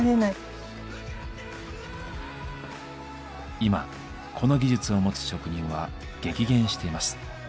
今この技術を持つ職人は激減しています。